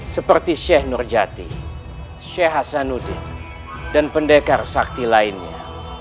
seperti syekh nurjati syekh hasanudin dan pendekar sakti lainnya